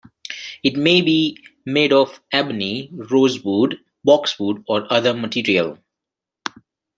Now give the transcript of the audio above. It may be made of ebony, rosewood, boxwood or other material.